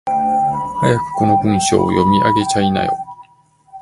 早くこの文章を読み上げちゃいなよ。